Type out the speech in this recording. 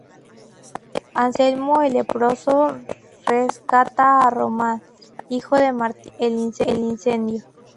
Anselmo el leproso rescata a Román, hijo de Martín, del incendio.